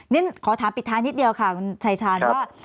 ขอถามปิดท้ายนิดเดียวค่ะคุณชายชาญว่า